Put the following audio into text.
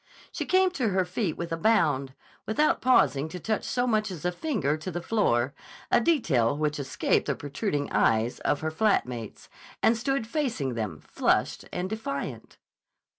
She came to her feet with a bound, without pausing to touch so much as a finger to the floor, a detail which escaped the protruding eyes of her flatmates, and stood facing them flushed and defiant.